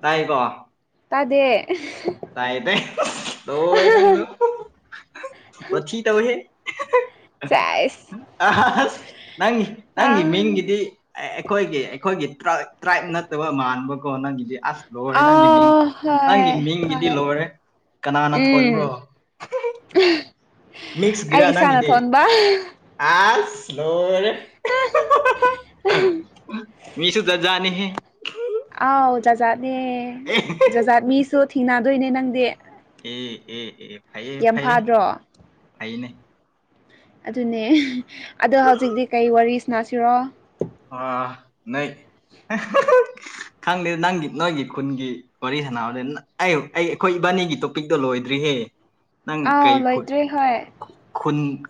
ꯇꯥꯢꯀꯣ ꯇꯥꯗꯦ ꯇꯥꯏꯗꯦ ꯂꯣꯢ ꯅꯪꯖꯨ ꯋꯥꯊꯤ ꯇꯧꯋꯦꯍꯦ ꯆꯥꯏꯁ ꯍꯁ ꯅꯪꯒꯤ ꯑ ꯅꯪꯒꯤ ꯃꯤꯡꯖꯤꯗꯤ ꯑꯦ ꯑꯩꯈꯣꯏꯒꯤ ꯑꯩꯈꯣꯏꯒꯤ ꯇ꯭ꯔꯥ ꯇ꯭ꯔꯥꯏꯕ ꯅꯠꯇꯕ ꯃꯥꯟꯕꯀꯣ ꯅꯪꯒꯤꯖꯦ ꯑꯁ ꯂꯣꯏꯔꯦ ꯅꯪꯒꯤ ꯃꯤꯡ ꯑꯥ ꯅꯪꯒꯤ ꯍꯣꯏ ꯃꯤꯡꯖꯤꯗꯤ ꯍꯣꯏ ꯂꯣꯔꯦ ꯀꯅꯥꯅ ꯎꯝ ꯊꯣꯟꯕ꯭ꯔꯣ ꯑꯩ ꯃꯤꯛꯁꯒꯤꯔ ꯏꯁꯥꯅ ꯅꯪꯒꯤꯗꯤ ꯊꯣꯟꯕ ꯑꯁ ꯂꯣꯔꯦ ꯑꯥꯎ ꯃꯤꯁꯨ ꯖꯠ ꯖꯥꯠꯅꯦꯍꯦ ꯑꯥꯎ ꯖꯖꯥꯠꯅꯦ ꯑꯦ ꯖꯖꯥꯠ ꯃꯤꯁꯨ ꯊꯤꯡꯅꯗꯣꯏꯅꯦ ꯅꯪꯗꯤ ꯑꯦ ꯑꯦ ꯑꯦ ꯐꯩꯌꯦ ꯌꯥꯝ ꯐꯩꯌꯦ ꯐꯥꯗ꯭ꯔꯣ ꯐꯩꯅꯦ ꯑꯗꯨꯅꯦ ꯑꯗꯣ ꯍꯧꯖꯤꯛꯇꯤ ꯀꯩ ꯋꯥꯔꯤ ꯁꯅꯥꯁꯤꯔꯣ ꯑ ꯅꯣꯏ ꯈꯪꯗꯦ ꯅꯪꯒꯤ ꯅꯣꯏꯒꯤ ꯈꯨꯟꯒꯤ ꯋꯥꯔꯤ ꯁꯥꯅꯕꯅꯦ ꯑꯩ ꯑꯩ ꯑꯩꯈꯣꯏ ꯏꯕꯥꯅꯤꯒꯤ ꯇꯣꯄꯤꯛꯇꯣ ꯂꯣꯏꯗ꯭ꯔꯤꯍꯦ ꯅꯪ ꯑꯥꯎ ꯀꯩ ꯂꯣꯏꯗ꯭ꯔꯤ ꯍꯣꯏ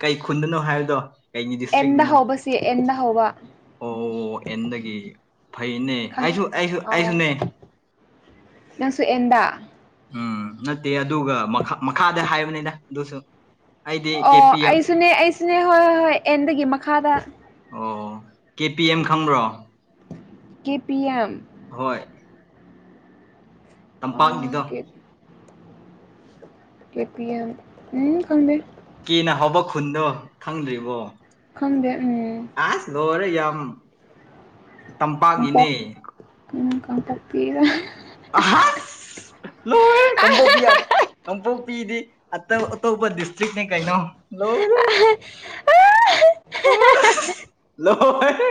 ꯀꯩ ꯈꯨꯟꯗꯅꯣ ꯍꯥꯏꯕꯗꯣ ꯀꯩꯒꯤ ꯑꯦꯟꯅ ꯗꯤꯁꯇ꯭ꯔꯤꯛꯇꯅꯣ ꯍꯧꯕ ꯁꯤ ꯑꯦꯟꯅ ꯍꯧꯕ ꯑꯣ ꯑꯦꯟꯗꯒꯤ ꯐꯩꯅꯦ ꯈꯪꯉꯦ ꯑꯩꯁꯨ ꯑꯩꯁꯨ ꯑꯥꯎ ꯑꯩꯁꯨꯅꯦ ꯅꯪꯁꯨ ꯑꯦꯟꯗꯥ ꯎꯝ ꯅꯠꯇꯦ ꯑꯗꯨꯒ ꯃꯈ ꯃꯈꯥꯗ ꯍꯥꯏꯕꯅꯤꯗ ꯑꯗꯨꯁꯨ ꯑꯩꯗꯤ ꯀꯦ ꯑꯣ ꯄꯤ ꯑꯦꯝ ꯑꯩꯁꯨꯅꯦ ꯑꯩꯁꯨꯅꯦ ꯍꯣꯏ ꯍꯣꯏ ꯍꯣꯏ ꯑꯦꯟꯗꯒꯤ ꯃꯈꯥꯗ ꯑꯣ ꯀꯦ ꯄꯤ ꯑꯦꯝ ꯈꯪꯕ꯭ꯔꯣ ꯀꯦ ꯄꯤ ꯑꯦꯝ ꯍꯣꯏ ꯇꯝꯄꯥꯛꯒꯤꯗꯣ ꯀꯦ ꯀꯦ ꯄꯤ ꯑꯦꯝ ꯎꯝ ꯈꯪꯗꯦ ꯀꯦꯅ ꯍꯥꯎꯕ ꯈꯨꯟꯗꯣ ꯈꯪꯗ꯭ꯔꯤꯕꯣ ꯈꯪꯗꯦ ꯎꯝ ꯑꯁ ꯂꯣꯏꯔꯦ ꯌꯥꯝ ꯇꯝꯄꯥꯛꯒꯤꯅꯦ ꯀꯥꯡꯄꯣꯛ ꯎꯝ ꯈꯪꯗꯦ [unintelligible] ꯑꯍꯥꯁ ꯂꯣꯏꯔꯦ ꯀꯝꯕꯣꯕꯤꯌꯥꯠ ꯀꯥꯡꯄꯣꯛꯄꯤꯗꯤ ꯑꯇꯞ ꯑꯇꯣꯞꯄ ꯗꯤꯁꯇ꯭ꯔꯤꯛꯅꯦ ꯀꯩꯅꯣ ꯂꯣꯢꯔꯦ [unintelligible] [unintelligible] ꯂꯣꯏꯔꯦ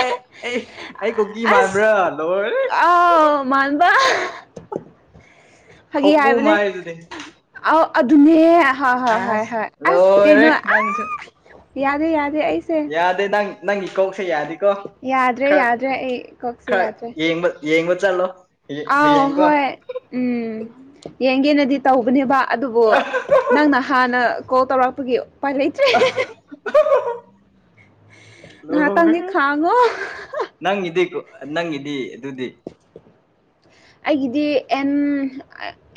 ꯑꯦ ꯑꯦ ꯑꯩ ꯀꯨꯀꯤ ꯑꯁ ꯃꯥꯟꯕ꯭ꯔꯥ ꯂꯣꯏꯔꯦ ꯑꯥꯎ ꯃꯥꯟꯕꯥ ꯐꯒꯤ ꯈꯧꯄꯨ ꯍꯥꯏꯕꯅꯦ ꯃꯥꯏꯗꯨꯗꯤ ꯑꯧ ꯑꯗꯨꯅꯦ ꯍꯣꯏ ꯍꯣꯏ ꯍꯣꯏ ꯑꯁ ꯍꯣꯏ ꯑꯁ ꯂꯣꯏꯔꯦ ꯀꯩꯅꯣ ꯅꯪꯁꯨ ꯑꯁ ꯌꯥꯗꯦ ꯌꯥꯗꯦ ꯑꯩꯁꯦ ꯌꯥꯗꯦ ꯅꯪ ꯅꯪꯒꯤ ꯀꯣꯛꯁꯦ ꯌꯥꯗꯦꯀꯣ ꯌꯥꯗ꯭ꯔꯦ ꯈꯔ ꯌꯥꯗ꯭ꯔꯦ ꯑꯩ ꯀꯣꯛꯁꯦ ꯈꯔ ꯌꯥꯗ꯭ꯔꯦ ꯌꯦꯡꯕ ꯌꯦꯡꯕ ꯆꯠꯂꯣ ꯑꯥꯎ ꯍꯌꯦꯡꯀꯣ ꯍꯣꯏ ꯎꯝ ꯌꯦꯡꯒꯦꯅꯗꯤ ꯇꯧꯕꯅꯦꯕ ꯑꯗꯨꯕꯨ ꯅꯪꯅ ꯍꯥꯟꯅ ꯀꯣꯜ ꯇꯧꯔꯛꯄꯒꯤ ꯎꯄꯥꯏ ꯂꯩꯇ꯭ꯔꯦ [unintelligible] ꯂꯣꯏꯔꯦ ꯉꯥꯏꯍꯥꯛꯇꯪꯗꯤ ꯈꯥꯡꯉꯣ ꯅꯪ ꯒꯤꯗꯤ ꯀꯣ ꯅꯪꯒꯤꯗꯤ ꯑꯗꯨꯗꯤ ꯑꯩꯒꯤꯗꯤ ꯑꯦꯟ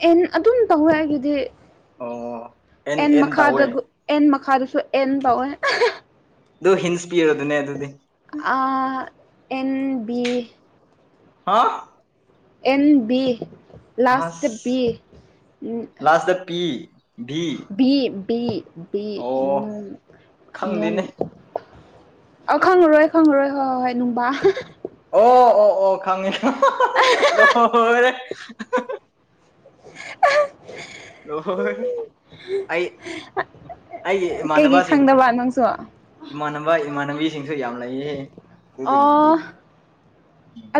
ꯑꯦꯟ ꯑꯗꯨꯝ ꯇꯧꯋꯦ ꯑꯩꯒꯤꯗꯤ ꯑꯦꯟ ꯃꯈꯥꯗ ꯑꯦꯟ ꯃꯈꯥꯗꯁꯨ ꯑꯦꯟ ꯇꯥꯎꯋꯦ ꯗꯨ ꯍꯤꯟꯁ ꯄꯤꯔꯣꯗꯨꯅꯦ ꯑꯗꯨꯗꯤ ꯑꯥ ꯑꯦꯟ ꯕꯤ ꯍꯥ ꯑꯦꯟ ꯕꯤ ꯂꯥꯁꯇ ꯑꯁ ꯕꯤ ꯎꯝ last P V B B B ꯑꯣ ꯅꯨꯡ ꯅꯨꯡ ꯈꯪꯗꯦꯅꯦ ꯑ ꯈꯪꯉꯔꯣꯏ ꯈꯪꯉꯔꯣꯏ ꯍꯣꯏ ꯍꯣꯏ ꯍꯣꯏ ꯅꯨꯡꯕꯥ ꯑꯣ ꯑꯣ ꯑꯣ ꯈꯪꯉꯤ [unintelligible] ꯂꯣꯏꯔꯦ ꯑꯍꯦ [unintelligible] ꯂꯣꯏꯔꯦ ꯑꯩ ꯑꯩꯒꯤ ꯀꯩꯒꯤ ꯏꯃꯥꯟꯅꯕꯁꯤꯡ ꯈꯪꯗꯕ ꯅꯪꯁꯨ ꯏꯃꯥꯟꯅꯕ ꯏꯃꯥꯟꯅꯕꯤꯁꯤꯡꯁꯨ ꯌꯥꯝ ꯂꯩꯌꯦ ꯑꯗꯨꯗꯒꯤꯗꯤ ꯑꯣ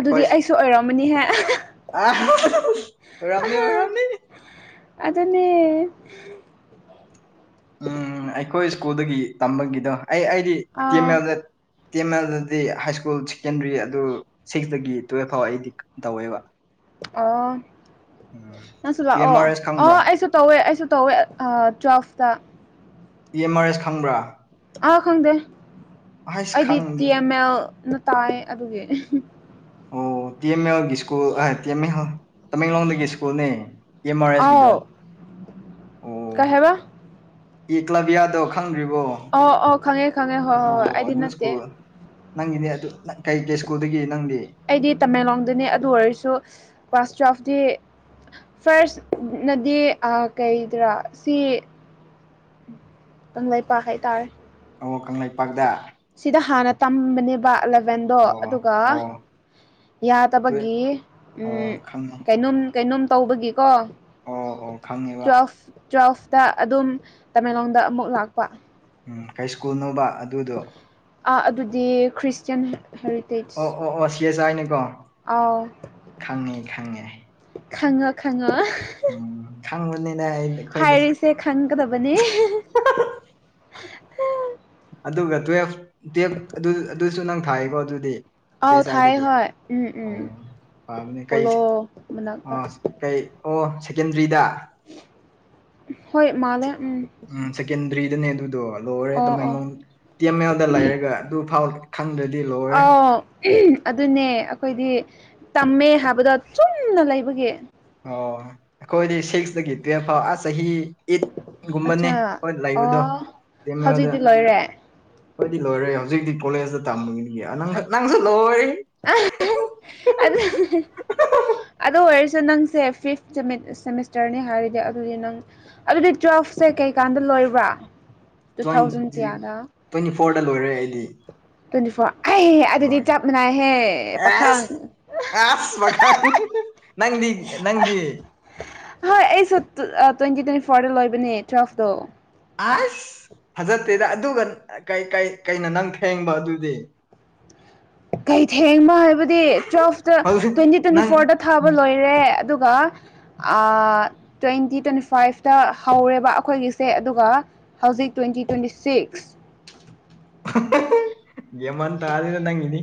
ꯑꯗꯨꯗꯤ ꯑꯩꯁꯨ ꯑꯣꯏꯔꯝꯃꯅꯤꯍꯦ ꯑ ꯑꯣꯏꯔꯝꯅꯤ ꯑꯣꯏꯔꯝꯅꯤ ꯑꯗꯨꯅꯦ ꯎꯝ ꯑꯩꯈꯣꯏ ꯁ꯭ꯀꯨꯜꯗꯒꯤ ꯇꯝꯕꯒꯤꯗꯣ ꯑꯩ ꯑꯩꯗꯤ ꯑꯥ ꯇꯦꯟꯅꯖꯦ [unintelligible] ꯍꯥꯏ ꯁ꯭ꯀꯨꯜ ꯁꯦꯀꯦꯟꯗ꯭ꯔꯤ ꯑꯗꯨ ꯁꯤꯛꯁꯇꯒꯤ ꯇꯨꯋꯦꯜꯐ ꯐꯥꯎ ꯑꯩꯗꯤ ꯇꯧꯋꯦꯕ ꯑꯣ ꯎꯝ ꯅꯪꯁꯨ ꯄꯤ ꯑꯦꯝ ꯂꯥꯛꯑꯣ ꯑꯥꯔ ꯑꯦꯁ ꯑꯣ ꯈꯪꯕ꯭ꯔꯥ ꯑꯩꯁꯨ ꯇꯧꯋꯦ ꯑꯩꯁꯨ ꯇꯧꯋꯦ ꯑꯥ twelfth E M R S ꯈꯪꯕ꯭ꯔꯥ ꯑꯥ ꯈꯪꯗꯦ ꯑꯁ ꯑꯩꯗꯤ ꯇꯤ ꯈꯪꯗ꯭ꯔꯦ ꯑꯦꯝ ꯑꯦꯜꯅ ꯇꯥꯏ ꯑꯗꯨꯒꯤ ꯑꯣ ꯇꯤ ꯑꯦꯝ ꯑꯦꯜꯒꯤ ꯁ꯭ꯀꯨꯜ ꯇꯤ ꯑꯦꯝ ꯑꯦ ꯇꯃꯦꯡꯂꯣꯡꯗꯒꯤ ꯁ꯭ꯀꯨꯜꯅꯦ ꯇꯤ ꯑꯦꯝ ꯑꯥꯔ ꯑꯦꯁꯀꯤꯗꯣ ꯑꯥꯎ ꯀꯩ ꯍꯥꯏꯕ ꯏꯀ꯭ꯂꯞꯕꯤꯌꯥꯗꯣ ꯈꯪꯗ꯭ꯔꯤꯕꯣ ꯑꯧ ꯑꯧ ꯈꯥꯉꯦ ꯈꯥꯉꯦ ꯍꯣꯏ ꯍꯣꯏ ꯍꯣꯏ ꯑꯩꯗꯤ ꯅꯠꯇꯦ ꯅꯪꯒꯤꯗꯤ ꯑꯗꯨ ꯀꯩ ꯀꯩ ꯁ꯭ꯀꯨꯜꯗꯒꯤ ꯅꯪꯗꯤ ꯑꯩꯗꯤ ꯇꯃꯦꯜꯂꯣꯡꯗꯅꯤ ꯑꯗꯨ ꯑꯣꯏꯔꯁꯨ ꯀ꯭ꯂꯥꯁ ꯇꯨꯋꯦꯜꯐꯇꯤ ꯐꯥꯔꯁ ꯅꯗꯤ ꯑꯥ ꯀꯩꯗꯔ ꯁꯤ ꯀꯪꯂꯩꯄꯥꯛ ꯍꯥꯏ ꯇꯥꯔꯦ ꯑꯣ ꯀꯪꯂꯩꯄꯥꯛꯇ ꯁꯤꯗ ꯍꯥꯟꯅ ꯇꯝꯕꯅꯦꯕ ꯑꯜꯕꯦꯟꯗꯣ ꯑꯣ ꯑꯗꯨꯒ ꯑꯣ ꯇꯨ ꯌꯥꯗꯕꯒꯤ ꯎꯝ ꯑꯣ ꯈꯪꯉꯦ ꯀꯩꯅꯣꯝ ꯀꯩꯅꯣꯝ ꯇꯧꯕꯒꯤꯀꯣ ꯑꯣ ꯑꯣ ꯈꯪꯉꯦꯕ ꯇꯨꯋꯦꯜꯐ ꯇꯨꯋꯦꯜꯐꯇ ꯑꯗꯨꯝ ꯇꯃꯦꯜꯂꯣꯡꯗ ꯑꯃꯨꯛ ꯂꯥꯛꯄ ꯎꯝ ꯀꯩ ꯁ꯭ꯀꯨꯜꯅꯣꯕ ꯑꯗꯨꯗꯣ ꯑꯥ ꯑꯗꯨꯗꯤ ꯈ꯭ꯔꯤꯁꯇꯌꯥꯟ ꯑꯣ ꯑꯣ ꯑꯣ ꯁꯤ [unintelligible] ꯅꯤꯀꯣ ꯑꯥꯎ ꯈꯪꯉꯣ ꯈꯪꯉꯣ ꯈꯪꯕꯅꯤꯅꯦ ꯑꯩꯗꯤ ꯍꯥꯏꯔꯤꯁꯦ ꯈꯪꯒꯗꯕꯅꯦ ꯑꯗꯨꯒ ꯇꯨꯋꯦꯜꯐ ꯇꯨꯋꯦꯜꯐ ꯑꯗꯨ ꯑꯗꯨꯁꯨ ꯅꯪ ꯊꯥꯏꯌꯦꯀꯣ ꯑꯗꯨꯗꯤ ꯆꯦ ꯑꯥꯎ ꯊꯥꯏ ꯆꯥꯏꯗꯒꯤ ꯍꯣꯏ ꯎꯝ ꯑꯣ ꯎꯝ ꯐꯕꯅꯦ ꯀꯩ ꯄꯣꯂꯣ ꯑ ꯃꯅꯥꯛꯇ ꯀꯩ ꯑꯣ ꯁꯦꯀꯦꯟꯗ꯭ꯔꯤꯗ ꯍꯣꯏ ꯃꯥꯜꯂꯦ ꯎꯝ ꯎꯝ ꯁꯦꯀꯦꯟꯗ꯭ꯔꯤꯗꯅꯦ ꯑꯗꯨꯗꯣ ꯂꯣꯏꯔꯦ ꯑꯣ ꯑꯣ ꯇꯃꯦꯡꯂꯣꯡ ꯇꯤ ꯑꯦꯝ ꯑꯦꯜꯗ ꯂꯩꯔꯒ ꯑꯗꯨ ꯐꯥꯎ ꯈꯪꯗ꯭ꯔꯗꯤ ꯂꯣꯢ ꯑꯥꯎ ꯑꯗꯨꯅꯦ ꯑꯩꯈꯣꯏꯗꯤ ꯇꯝꯃꯦ ꯍꯥꯏꯕꯗꯣ ꯆꯨꯝꯅ ꯂꯩꯕꯒꯤ ꯑꯣ ꯑꯩꯈꯣꯏꯗꯤ ꯁꯤꯛꯁꯇꯒꯤ ꯇꯨꯋꯦꯜꯐ ꯐꯥꯎ ꯑꯥ ꯆꯍꯤ ꯑꯩꯠ ꯒꯨꯝꯕꯅꯦ ꯑꯠꯆꯥ ꯍꯣꯏ ꯂꯩꯕꯗꯣ ꯑꯣ ꯇꯤ ꯑꯦꯝ ꯑꯦꯜꯗ ꯍꯧꯖꯤꯛꯇꯤ ꯂꯣꯏꯔꯦ ꯈꯣꯏꯗꯤ ꯂꯣꯏꯔꯦ ꯍꯧꯖꯤꯛꯇꯤ ꯀꯣꯂꯦꯖꯇ ꯇꯝꯕꯒꯤꯅꯤ ꯅꯪ ꯅꯪꯁꯨ ꯂꯣꯏꯔꯦ ꯑꯗꯨꯅꯦ ꯑꯗꯨ ꯑꯣꯏꯔꯁꯨ ꯅꯪꯁꯦ ꯐꯤꯞ ꯁꯦꯃꯤꯁꯇ꯭ꯔꯅꯤ ꯍꯥꯏꯔꯒ ꯑꯗꯨꯒꯤ ꯅꯪ ꯑꯗꯨꯗꯤ ꯇꯨꯋꯦꯜꯐꯁꯦ ꯀꯩꯀꯥꯟꯗ ꯂꯣꯏꯕ꯭ꯔꯥ ꯇꯨ ꯊꯥꯎꯖꯟ ꯇ꯭ꯋꯦꯟꯇꯤ ꯀꯌꯥꯗ ꯇ꯭ꯋꯦꯟꯇꯤ ꯐꯣꯔꯗ ꯂꯣꯏꯔꯦ ꯑꯩꯗꯤ ꯇ꯭ꯋꯦꯟꯇꯤ ꯐꯣꯔ ꯑꯩ ꯑꯗꯨꯗꯤ ꯍꯣꯏ ꯆꯞ ꯃꯥꯟꯅꯩꯍꯦ ꯄꯥꯈꯪ ꯑꯦꯁ ꯑꯁ ꯄꯥꯈꯪ ꯅꯪꯗꯤ ꯅꯪꯗꯤ ꯍꯣꯏ ꯑꯩꯁꯨ ꯇ꯭ꯋꯦꯟꯇꯤ ꯇ꯭ꯋꯦꯟꯇꯤ ꯐꯣꯔꯗ ꯂꯣꯏꯕꯅꯦ ꯇꯨꯋꯦꯜꯐꯇꯣ ꯑꯁ ꯐꯖꯠꯇꯦꯗ ꯑꯗꯨꯒ ꯀꯩ ꯀꯩ ꯀꯩꯅꯣ ꯅꯪ ꯊꯦꯡꯕ ꯑꯗꯨꯗꯤ ꯀꯩ ꯊꯦꯡꯕ ꯍꯥꯏꯕꯗꯤ ꯇꯨꯋꯦꯜꯐꯇ ꯍꯧꯖꯤꯛ ꯇ꯭ꯋꯦꯟꯇꯤ ꯇ꯭ꯋꯦꯟꯇꯤ ꯅꯪ ꯐꯣꯔꯗ ꯊꯥꯕ ꯂꯣꯏꯔꯦ ꯑꯗꯨꯒ ꯑꯥ ꯇ꯭ꯋꯦꯟꯇꯤ ꯇ꯭ꯋꯦꯟꯇꯤ ꯐꯥꯏꯞꯇ ꯍꯧꯔꯦꯕ ꯑꯈꯣꯏꯒꯤꯁꯦ ꯑꯗꯨꯒ ꯍꯧꯖꯤꯛ ꯇ꯭ꯋꯦꯟꯇꯤ ꯇ꯭ꯋꯦꯟꯇꯤ ꯁꯤꯛꯁ ꯒ꯭ꯌꯥꯟ ꯃꯟ ꯇꯗꯦꯗ ꯅꯪꯒꯤꯅꯤ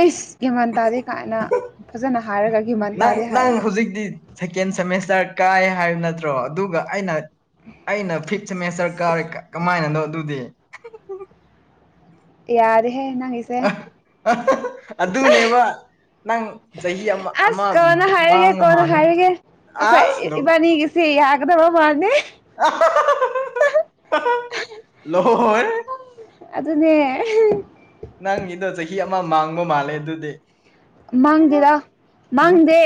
ꯑꯩꯁ ꯒ꯭ꯌꯥꯟ ꯃꯟ ꯇꯥꯗꯦ ꯀꯥꯏꯅ ꯐꯖꯅ ꯍꯥꯏꯔꯒ ꯒ꯭ꯌꯥꯟ ꯃꯟ ꯇꯥꯗꯦ ꯍꯥꯏꯌꯦ ꯍꯨꯖꯤꯛꯇꯤ ꯁꯦꯀꯦꯟ ꯁꯦꯃꯦꯁꯇ꯭ꯔ ꯀꯥꯏ ꯍꯥꯏꯕ ꯅꯠꯇ꯭ꯔꯣ ꯑꯗꯨꯒ ꯑꯩꯅ ꯑꯩꯅ ꯐꯤꯞ ꯁꯦꯃꯤꯁꯇ꯭ꯔ ꯀꯥꯔꯦ ꯀꯃꯥꯏꯅꯅꯣ ꯑꯗꯨꯗꯤ ꯌꯥꯔꯦꯍꯦ ꯅꯪꯒꯤꯁꯦ꯫ ꯑꯗꯨꯅꯦꯕ ꯅꯪ ꯆꯍꯤ ꯑꯃ ꯑꯃ ꯑꯁ ꯀꯣꯟꯅ ꯍꯥꯏꯔꯒꯦ ꯃꯥꯡꯉ ꯀꯣꯟꯅ ꯃꯥꯟꯅꯦ ꯑꯁ ꯅꯣꯛ ꯁꯤ ꯌꯥꯒꯗꯕ ꯃꯥꯟꯗꯦ꯫ ꯂꯣꯏ ꯑꯗꯨꯅꯦ ꯅꯪꯒꯤꯗꯣ ꯆꯍꯤ ꯑꯃ ꯃꯥꯡꯕ ꯃꯥꯜꯂꯦ ꯑꯗꯨꯗꯤ꯫ ꯃꯥꯡꯗꯦꯗ ꯃꯥꯡꯗꯦ꯫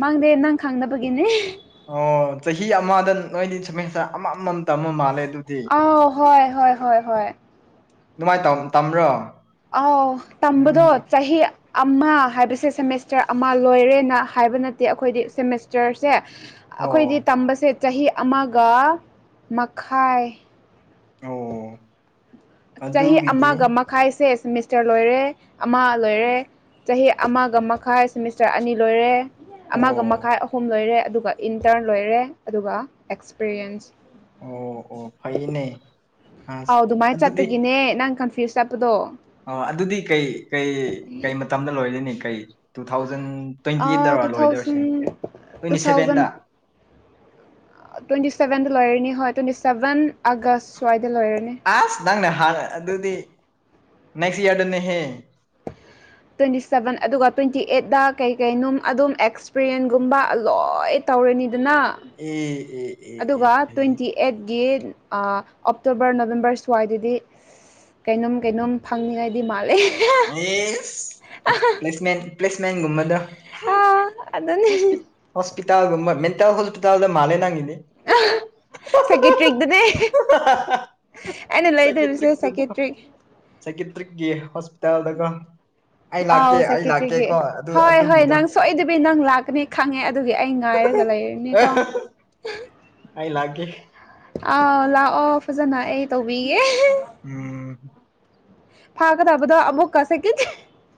ꯃꯥꯡꯗꯦ ꯅꯪ ꯈꯪꯗꯕꯒꯤꯅꯦ ꯑꯣ ꯆꯍꯤ ꯑꯃꯗ ꯅꯣꯏꯗꯤ ꯁꯦꯃꯤꯁꯇꯔ ꯑꯃ ꯃꯝ ꯇꯝꯕ ꯃꯥꯜꯂꯦ ꯑꯗꯨ ꯑꯧ ꯍꯣꯏ ꯍꯣꯏ ꯍꯣꯏ ꯍꯣꯏ꯫ ꯗꯨꯃꯥꯏ ꯇꯝ ꯇꯝꯕ꯭ꯔꯣ ꯑ ꯇꯝꯕꯗꯣ ꯎꯝ ꯆꯍꯤ ꯑꯃ ꯍꯥꯏꯕꯁꯦ ꯁꯦꯃꯤꯁꯇꯔ ꯑꯃ ꯂꯣꯏꯔꯦꯅ ꯍꯥꯏꯕ ꯅꯠꯇꯦ ꯑꯈꯣꯏꯗꯤ ꯁꯦꯃꯤꯁꯇꯔꯁꯦ꯫ ꯑꯩꯈꯣꯏꯗꯤ ꯑꯣ ꯇꯝꯕꯁꯦ ꯆꯍꯤ ꯑꯃꯒ ꯃꯈꯥꯏ ꯑꯣ ꯆꯍꯤ ꯑꯗꯨꯒꯤꯗꯤ ꯑꯃꯒ ꯃꯈꯥꯏꯁꯦ ꯁꯤꯃꯤꯁꯇꯔ ꯂꯣꯏꯔꯦ ꯑꯃ ꯂꯣꯏꯔꯦ ꯆꯍꯤ ꯑꯃꯒ ꯃꯈꯥꯏ ꯁꯦꯃꯤꯁꯇꯔ ꯑꯅꯤ ꯂꯣꯏꯔꯦ ꯑꯃꯒ ꯑꯣ ꯃꯈꯥꯏ ꯑꯍꯨꯝ ꯂꯣꯏꯔꯦ ꯑꯗꯨꯒ ꯏꯟꯇ꯭ꯔꯟ ꯂꯣꯏꯔꯦ ꯑꯗꯨꯒ ꯑꯦꯛꯁꯄꯤꯔꯤꯌꯦꯟꯁ꯫ ꯑꯣ ꯑꯣ ꯐꯩꯅꯦ ꯑꯁ ꯑꯥꯎ ꯑꯗꯨꯃꯥꯏ ꯑꯗꯨꯗꯤ ꯆꯠꯄꯒꯤꯅꯦ ꯅꯪ ꯀꯟꯐ꯭ꯌꯨꯁ ꯆꯠꯄꯗꯣ꯫ ꯑꯣ ꯑꯗꯨꯗꯤ ꯀꯩ ꯀꯩ ꯀꯩ ꯃꯇꯝꯗ ꯂꯣꯏꯗꯣꯏꯅꯤ ꯀꯩ ꯇꯨ ꯊꯥꯎꯖꯟ ꯑꯥ ꯇ꯭ꯋꯦꯟꯇꯤꯠꯗꯔꯣ ꯇꯨ ꯂꯣꯏꯗꯣꯔꯤꯁꯦ ꯊꯥꯎꯖꯟ ꯇꯨ ꯇ꯭ꯋꯦꯟꯇꯤ ꯁꯥꯚꯦꯟꯗ ꯊꯥꯎꯖꯟ ꯇ꯭ꯋꯦꯟꯇꯤ ꯁꯥꯚꯦꯟꯗ ꯂꯣꯏꯔꯅꯤ ꯍꯣꯏ ꯇ꯭ꯋꯦꯟꯇꯤ ꯁꯥꯚꯦꯟ ꯑꯥꯒꯁ ꯁ꯭ꯋꯥꯏꯗ ꯂꯣꯏꯔꯅꯤ ꯑꯁ ꯅꯪꯅ ꯍꯥꯟꯅ ꯑꯗꯨꯗꯤ ꯅꯦꯛꯁ ꯏꯌꯥꯔꯗꯅꯦꯍꯦ ꯇ꯭ꯋꯦꯟꯇꯤ ꯁꯥꯚꯦꯟ ꯑꯗꯨꯒ ꯇ꯭ꯋꯦꯟꯇꯤ ꯑꯥꯏ꯭ꯗꯗ ꯀꯩꯀꯩꯅꯣ ꯑꯗꯨꯝ ꯑꯦꯛꯁꯄꯤꯔꯤꯌꯦꯟꯒꯨꯝꯕ ꯂꯣꯏ ꯇꯧꯔꯅꯤꯗꯅ꯫ ꯑꯦ ꯑꯦ ꯑꯦ ꯑꯦ ꯑꯗꯨꯒ ꯐꯩꯌꯦ ꯇ꯭ꯋꯦꯟꯇꯤ ꯑꯦꯗꯒꯤ ꯑꯥ ꯑꯣꯞꯇꯣꯕꯔ ꯅꯕꯦꯝꯕꯔ ꯁ꯭ꯋꯥꯏꯗꯗꯤ ꯀꯩꯅꯣꯝ ꯀꯩꯅꯣꯝ ꯐꯪꯅꯤꯉꯥꯏꯗꯤ ꯃꯥꯜꯂꯦ ꯑꯦꯁ ꯄ꯭ꯂꯦꯁꯃꯦꯟ ꯄ꯭ꯂꯦꯁꯃꯦꯟꯒꯨꯝꯕꯗꯣ ꯑ ꯑꯗꯨꯅꯦ ꯍꯣꯁꯄꯤꯇꯥꯜꯒꯨꯝꯕ ꯃꯦꯟꯇꯦꯜ ꯍꯣꯁꯄꯤꯇꯥꯜꯗ ꯃꯥꯂꯦ ꯅꯪꯒꯤꯗꯤ꯫ ꯑ ꯁꯥꯀꯦꯇ꯭ꯔꯤꯛꯇꯅꯦ꯫ ꯑꯩꯅ ꯂꯩꯗꯧꯕꯁꯦ ꯁꯥꯏꯀꯦꯇ꯭ꯔꯤꯛꯇꯨꯗ ꯁꯥꯏꯀꯦꯇ꯭ꯔꯤꯛ ꯁꯥꯏꯀꯦꯇ꯭ꯔꯤꯛꯀꯤ ꯍꯣꯁꯄꯤꯇꯥꯜꯗ ꯀꯣ ꯑꯥꯎ ꯁꯥꯏꯀꯦꯇ꯭ꯔꯤꯛꯀꯤ꯫ ꯑꯗꯨ ꯍꯣꯏ ꯍꯣꯏ ꯑꯗꯨꯒꯤꯗꯣ ꯅꯪ ꯁꯣꯏꯗꯕꯤ ꯅꯪ ꯂꯥꯛꯀꯅꯤ ꯈꯪꯉꯦ ꯑꯗꯨꯒꯤ ꯑꯩ ꯉꯥꯏꯔꯒ ꯂꯩꯔꯅꯤꯀꯣ꯫ ꯑꯩ ꯂꯥꯛꯀꯦ꯫ ꯑꯥꯎ ꯂꯥꯛꯑꯣ ꯐꯖꯅ ꯑꯩ ꯇꯧꯕꯤꯒꯦ [inaudible] ꯎꯝ ꯐꯥꯒꯗꯕꯗ ꯑꯃꯨꯛꯀ [inaudible]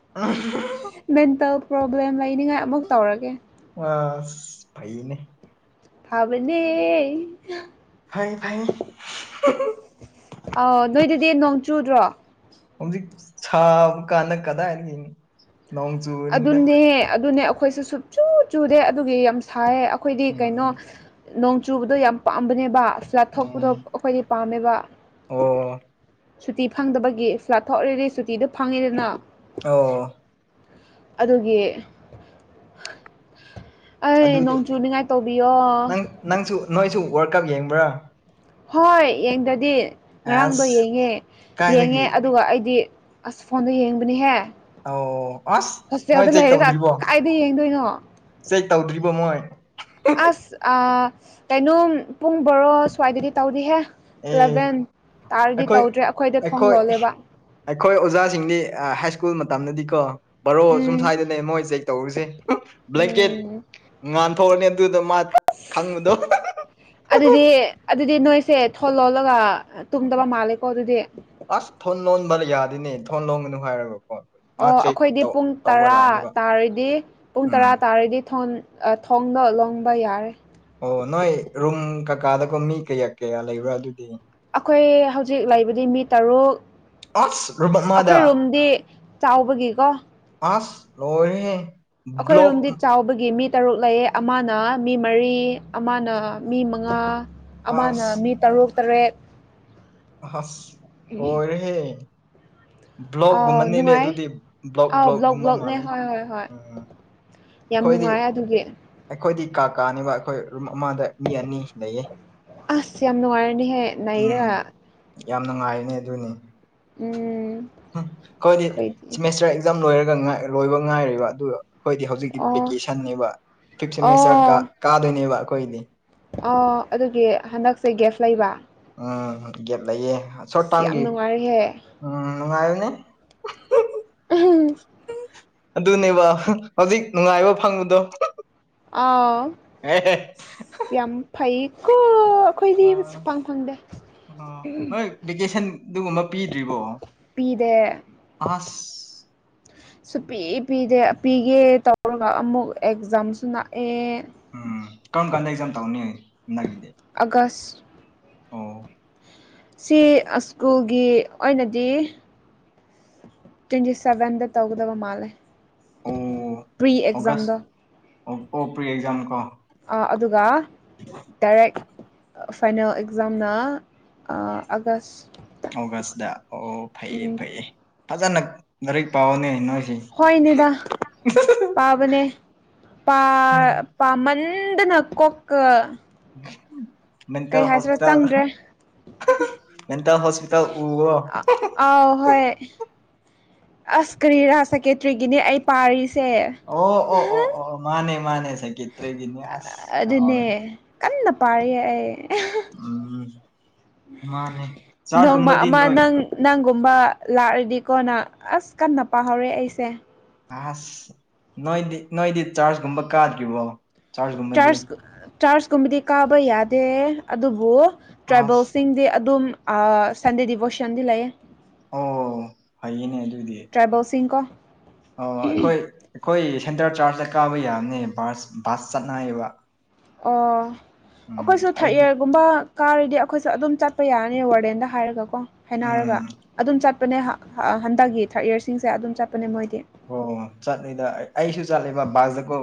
[inaudible] ꯃꯦꯟꯇꯦꯜ ꯄ꯭ꯔꯣꯕ꯭ꯂꯦꯝ ꯂꯩꯅꯤꯡꯉꯥꯏ ꯑꯃꯨꯛ ꯇꯧꯔꯒꯦ꯫ ꯑꯥꯁ ꯐꯩꯅꯦ꯫ ꯐꯕꯅꯦ ꯐꯩ ꯐꯩ [inaudible] ꯑꯣ ꯅꯣꯏꯗꯗꯤ ꯅꯣꯡ ꯆꯨꯗ꯭ꯔꯣ꯫ ꯍꯧꯖꯤꯛ ꯁꯥ ꯀꯥꯟꯗ ꯀꯗꯥꯏꯗꯒꯤ [inaudible] ꯅꯣꯡ꯫ ꯆꯨꯕꯅꯤꯗ ꯑꯗꯨꯅꯦ ꯑꯗꯨꯅꯦ ꯑꯩꯈꯣꯏꯁꯨꯦ ꯁꯨꯡꯆꯨ ꯆꯨꯗꯦ ꯑꯗꯨꯒꯤ ꯌꯥꯝ ꯁꯥꯏꯌꯦ꯫ ꯈꯣꯏꯗꯤ ꯀꯩꯅꯣ ꯎꯝ ꯅꯣꯡ ꯆꯨꯕꯗꯣ ꯌꯥꯝ ꯄꯥꯝꯕꯅꯦꯕ ꯆꯥꯊꯣꯛꯄꯗꯣ ꯎꯝ ꯑꯈꯣꯏꯗꯤ ꯄꯥꯝꯃꯦꯕ ꯑꯣ ꯁꯨꯇꯤ ꯐꯪꯗꯕꯒꯤ ꯐ꯭ꯂꯥꯠ ꯊꯣꯛꯔꯗꯤ ꯁꯨꯇꯤꯗꯨ ꯐꯪꯉꯤꯗꯅ ꯑꯧꯋꯣ ꯑꯗꯨꯒꯤ ꯑꯩ ꯑꯗꯨꯗꯤ ꯅꯣꯡ ꯆꯨꯅꯤꯉꯥꯏ ꯇꯧꯕꯤꯌꯣ ꯅꯪ ꯅꯪꯁꯨ ꯅꯣꯏꯁꯨ ꯋꯥꯔꯜ ꯀꯞ ꯌꯦꯡꯕ꯭ꯔꯥ ꯍꯣꯏ ꯌꯦꯡꯗꯗꯤ ꯉꯔꯥꯡꯗꯣ ꯑꯁ ꯌꯦꯡꯉꯦ ꯌꯦꯡꯉꯦ ꯀꯥꯏꯗꯒꯤ ꯑꯗꯨꯒ ꯑꯩꯗꯤ ꯑꯁ ꯐꯣꯟꯗ ꯌꯦꯡꯕꯅꯤꯍꯦ ꯑꯧ ꯑꯁ ꯅꯣꯏ ꯍꯣꯁꯇꯦꯜꯗ ꯆꯦꯛ ꯂꯩꯔꯒ ꯇꯧꯗ꯭ꯔꯤꯕꯣ ꯀꯥꯏꯗ ꯌꯦꯡꯗꯣꯏꯅꯣ ꯆꯦꯛ ꯇꯧꯗ꯭ꯔꯤꯕꯣ ꯃꯣꯏ ꯑꯁ ꯑꯥ ꯀꯩꯅꯣꯝ ꯄꯨꯡ ꯕꯣꯔꯣ ꯁ꯭ꯋꯥꯏꯗꯗꯤ ꯇꯧꯗꯤꯍꯦ ꯑꯦ ꯑꯦꯂꯚꯦꯟ ꯇꯥꯔꯗꯤ ꯑꯩꯈꯣꯏ ꯇꯧꯗ꯭ꯔꯦ ꯑꯩꯈꯣꯏꯗꯣ ꯊꯣꯡ ꯑꯩꯈꯣꯏ ꯂꯣꯜꯂꯦꯕ ꯑꯩꯈꯣꯏ ꯑꯣꯖꯥꯁꯤꯡꯗꯤ ꯍꯥꯏ ꯁ꯭ꯀꯨꯜ ꯃꯇꯝꯗꯗꯤ ꯀꯣ ꯕꯔꯣ ꯑꯁꯨꯝ ꯎꯝ ꯁ꯭ꯋꯥꯏꯗꯅꯦ ꯃꯣꯏ ꯆꯦꯛ ꯇꯧꯔꯤꯁꯦ ꯕ꯭ꯂꯦꯡꯀꯦꯠ ꯎꯝ ꯉꯥꯟꯊꯣꯛꯑꯅꯤ ꯑꯗꯨꯗ ꯃꯥ ꯈꯪꯕꯗꯣ ꯑꯗꯨꯗꯤ ꯑꯗꯨꯗꯤ ꯅꯣꯏꯁꯦ ꯊꯣ ꯂꯣꯜꯂꯒ ꯇꯨꯝꯗꯕ ꯃꯥꯜꯂꯦꯀꯣ ꯑꯗꯨꯗꯤ ꯑꯁ ꯊꯣꯟ ꯂꯣꯟꯕ ꯌꯥꯗꯦꯅꯦ ꯊꯣꯟ ꯂꯣꯟꯒꯅꯨ ꯍꯥꯏꯔꯒꯀꯣ ꯃꯥ ꯑꯣ ꯆꯦꯛ ꯑꯩꯈꯣꯏꯗꯤ ꯇꯧ ꯄꯨꯡ ꯇꯧꯕ ꯇꯔꯥ ꯂꯥꯛꯅꯤꯕ ꯇꯥꯔꯗꯤ ꯄꯨꯡ ꯎꯝ ꯇꯔꯥ ꯇꯥꯔꯗꯤ ꯊꯣꯟ ꯑ ꯊꯣꯡꯗꯣ ꯂꯣꯟꯕ ꯌꯥꯔꯦ ꯑꯣ ꯅꯣꯏ ꯔꯨꯝ ꯀꯀꯥꯗꯀꯣ ꯃꯤ ꯀꯌꯥ ꯀꯌꯥ ꯂꯩꯕ꯭ꯔꯥ ꯑꯗꯨꯗꯤ ꯑꯈꯣꯏ ꯍꯧꯖꯤꯛ ꯂꯩꯕꯗꯤ ꯃꯤ ꯇꯔꯨꯛ [unintelligible] ꯑꯈꯣꯏ ꯔꯨꯝꯗꯤ ꯆꯥꯎꯕꯒꯤꯀꯣ ꯑꯥꯁ ꯂꯣꯏꯔꯦꯍꯦ ꯑꯈꯣꯏ ꯕ꯭ꯂꯣꯛ ꯔꯨꯝꯗꯤ ꯆꯥꯎꯕꯒꯤ ꯃꯤꯠ ꯇꯔꯨꯛ ꯂꯩꯌꯦ ꯑꯃꯅ ꯃꯤ ꯃꯔꯤ ꯑꯃꯅ ꯃꯤ ꯃꯉꯥ ꯑꯃꯅ ꯑꯁ ꯃꯤ ꯇꯔꯨꯛ ꯇꯔꯦꯠ ꯑꯍꯥꯁ ꯂꯣꯏꯔꯦꯍꯦ ꯑꯥꯎ ꯕ꯭ꯂꯣꯛꯒꯨꯝꯕꯅꯤꯅꯦ ꯅꯨꯡꯉꯥꯏ ꯑꯗꯨꯗꯤ ꯕ꯭ꯂꯣꯛ ꯑꯥꯎ ꯕ꯭ꯂꯣꯛꯀꯨꯝꯕ ꯕ꯭ꯂꯣꯛꯅꯦ ꯃꯥꯜꯂꯤ ꯍꯣꯏ ꯍꯣꯏ ꯍꯣꯏ ꯎꯝ ꯌꯥꯝ ꯑꯩꯈꯣꯏꯗꯤ ꯅꯨꯡꯉꯥꯏ ꯑꯗꯨꯒꯤ ꯑꯩꯈꯣꯏꯗꯤ ꯀꯥ ꯀꯥꯅꯦꯕ ꯑꯩꯈꯣꯏ ꯔꯨꯝ ꯑꯃꯗ ꯃꯤ ꯑꯅꯤ ꯂꯩꯌꯦ ꯑꯁ ꯌꯥꯝ ꯅꯨꯡꯉꯥꯏꯔꯅꯤꯍꯦ ꯎꯝ ꯅꯩꯔꯒ ꯌꯥꯝ ꯅꯨꯡꯉꯥꯏꯔꯅꯤ ꯑꯗꯨꯅꯤ ꯎꯝ ꯍꯨꯝ ꯈꯣꯏ ꯑꯩꯈꯣꯏꯗꯤ ꯁꯤꯝꯃꯤꯁꯇꯔ ꯑꯦꯛ ꯖꯥꯝ ꯂꯣꯏꯔꯒ ꯉꯥ ꯂꯣꯏꯕ ꯉꯥꯏꯔꯤꯕ ꯑꯗꯨ ꯑꯈꯣꯏꯗꯤ ꯍꯧ ꯍꯧꯖꯤꯛꯇꯤ ꯑꯣ ꯚꯦꯀꯦꯁꯟꯅꯦꯕ ꯐꯤꯞ ꯁꯦꯃꯦꯁꯇꯔ ꯀꯥ ꯑꯣ ꯀꯥꯗꯣꯏꯅꯦꯕ ꯑꯈꯣꯏꯗꯤ ꯑꯣ ꯑꯗꯨꯒꯤ ꯍꯟꯗꯛꯁꯦ ꯒꯦꯞ ꯂꯩꯕ ꯎꯝ ꯒꯦꯞ ꯂꯩꯌꯦ ꯁꯣꯠ ꯑꯁ ꯌꯥꯝ ꯇꯥꯝꯒꯤ ꯅꯨꯡꯉꯥꯏꯔꯦꯍꯦ ꯎꯝ ꯅꯨꯡꯉꯥꯏꯕꯅꯦ ꯑꯗꯨꯅꯦꯕ ꯍ ꯍꯧꯖꯤꯛ ꯅꯨꯡꯉꯥꯏꯕ ꯐꯪꯕꯗꯣ [unintelligible] ꯑꯥꯎ ꯑꯦ [unintelligible] ꯌꯥꯝ ꯐꯩꯌꯦꯀꯣ ꯈꯣꯏꯗꯤ ꯕ ꯑ ꯁꯨꯐꯪ ꯐꯪꯗꯦ ꯑꯣ ꯅꯣꯏ ꯚꯦꯀꯦꯁꯟ ꯗꯨꯒꯨꯝꯕ ꯄꯤꯗ꯭ꯔꯤꯕꯣ ꯄꯤꯗꯦ ꯑꯥꯁ ꯁꯨ ꯄꯤ ꯄꯤꯗꯦ ꯄꯤꯒꯦ ꯇꯧꯔꯒ ꯑꯃꯨꯛ ꯑꯦꯛꯖꯥꯝꯁꯨ ꯅꯥꯛꯑꯦ ꯎꯝ ꯀꯝ ꯀꯥꯟꯗ ꯑꯦꯛꯖꯥꯝ ꯇꯧꯅꯤ ꯍꯟꯗꯛꯀꯤꯗꯤ ꯑꯥꯒꯁ ꯁꯤ ꯑꯁꯀꯨꯜꯒꯤ ꯑꯣꯏꯅꯗꯤ ꯇ꯭ꯋꯦꯟꯇꯤ ꯁꯕꯦꯟꯗ ꯇꯧꯒꯗꯕ ꯃꯥꯜꯂꯦ ꯑꯣ ꯄ꯭ꯔꯤ ꯑꯣꯒꯁ ꯑꯦꯛꯖꯥꯝꯗꯣ ꯑꯣ ꯑꯣ ꯄ꯭ꯔꯤ ꯑꯦꯛꯖꯥꯝ ꯀꯣ ꯑ ꯑꯗꯨꯒ ꯗꯥꯏꯔꯦꯛ ꯑ ꯐꯥꯏꯅꯦꯜ ꯑꯦꯛꯖꯥꯝꯅ ꯑꯥ ꯑꯥꯒꯁ ꯑꯣꯒꯁꯇ ꯑꯣ ꯐꯩꯌꯦ ꯎꯝ ꯐꯩꯌꯦ ꯐꯖꯅ ꯂꯥꯏꯔꯤꯛ ꯄꯥꯎꯑꯣꯅꯦ ꯅꯣꯏꯁꯤ ꯍꯣꯏꯅꯦꯗꯥ ꯄꯥꯕꯅꯦ ꯄꯥ ꯎꯝ ꯄꯥꯃꯟꯗꯅ ꯀꯣꯛꯀ [unintelligible] ꯀꯩ ꯃꯦꯟꯇꯦꯜ ꯍꯥꯏꯁꯤꯔꯥ ꯍꯣꯁꯄꯤꯇꯥꯜ ꯆꯪꯗ꯭ꯔꯦ [unintelligible] ꯃꯦꯟꯇꯦꯜ ꯍꯣꯁꯄꯤꯇꯥꯜ ꯎꯕ꯭ꯔꯣ [unintelligible] ꯑꯥꯎ ꯍꯣꯏ ꯑꯁ ꯀꯔꯤꯔ ꯁꯥꯏꯀꯦꯇ꯭ꯔꯤꯒꯤꯅꯦ ꯑꯩ ꯄꯥꯔꯤꯁꯦ ꯑꯣ ꯑꯣ ꯑꯣ ꯑꯣ ꯃꯥꯅꯦ ꯃꯥꯅꯦ ꯁꯥꯏꯀꯦꯇ꯭ꯔꯤꯒꯤꯅꯦ ꯑꯥꯁ ꯀꯥꯎꯋꯦ ꯑꯗꯨꯅꯦ ꯀꯟꯅ ꯄꯥꯔꯤꯌꯦ ꯑꯩ [unintelligible] ꯎꯝ ꯃꯥꯅꯦ ꯆꯥꯛ ꯅꯣꯡꯃ ꯀꯨꯝꯕꯗꯤ ꯑꯃ ꯅꯣꯏ ꯅꯪ ꯅꯪꯒꯨꯝꯕ ꯂꯥꯛꯔꯗꯤꯀꯣꯅ ꯑꯁ ꯀꯟꯅ ꯄꯥꯍꯧꯔꯦ ꯑꯩꯁꯦ ꯑꯥꯁ ꯅꯣꯏꯗꯤ ꯅꯣꯏꯗꯤ ꯆꯥꯔꯖꯒꯨꯝꯕ ꯀꯥꯗ꯭ꯔꯤꯕꯣ ꯆꯥꯔꯖꯀꯨꯝꯕꯗꯤ ꯆꯥꯔꯖ ꯆꯥꯔꯖꯀꯨꯝꯕꯗꯤ ꯀꯥꯕ ꯌꯥꯗꯦ ꯑꯗꯨꯕꯨ ꯑꯁ ꯇ꯭ꯔꯥꯏꯕꯦꯜꯁꯤꯡꯗꯤ ꯑꯗꯨꯝ ꯑꯥ ꯁꯟꯗꯦ ꯗꯤꯕꯣꯁꯟꯗꯤ ꯂꯩꯌꯦ ꯑꯣ ꯐꯩꯌꯦꯅꯦ ꯑꯗꯨꯗꯤ ꯇ꯭ꯔꯥꯏꯕꯦꯜꯁꯤꯡꯀꯣ ꯑꯣ ꯑꯈꯣꯏ ꯑꯩꯈꯣꯏ ꯁꯦꯟꯇꯔ ꯆꯥꯔꯖꯇ ꯀꯥꯕ ꯌꯥꯝꯅꯦ ꯕꯥꯁ ꯕꯥꯁ ꯆꯠꯅꯩꯌꯦꯑꯕ ꯑꯣ ꯑꯈꯣꯏꯁꯨ ꯊꯥ꯭ꯔꯠ ꯑꯩꯗꯤ ꯏꯌꯥꯔꯒꯨꯝꯕ ꯀꯥꯔꯗꯤ ꯑꯈꯣꯏꯁꯨ ꯑꯗꯨꯝ ꯆꯠꯄ ꯌꯥꯔꯅꯤ ꯋꯥꯔꯗꯦꯟꯗ ꯍꯥꯏꯔꯒ ꯀꯣ ꯍꯥꯏꯅꯔꯒ ꯎꯝ ꯑꯗꯨꯝ ꯆꯠ ꯄꯅꯦ ꯍꯥ ꯍ ꯍꯟꯗꯛꯀꯤ ꯊꯥ꯭ꯔꯠ ꯏꯌꯥꯁꯤꯡꯁꯦ ꯑꯗꯨꯝ ꯆꯠꯄꯅꯦ ꯃꯣꯏꯗꯤ ꯑꯣ ꯆꯠꯂꯤꯗ ꯑꯩ ꯑꯩꯁꯨ ꯆꯠꯂꯤꯕ ꯕꯥꯁꯇꯀꯣ